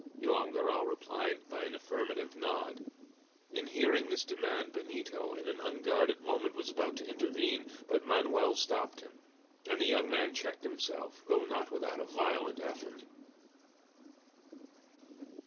Joam Garral replied by an affirmative nod. In hearing this demand Benito in an unguarded moment was about to intervene, but Manoel stopped him, and the young man checked himself, though not without a violent effort.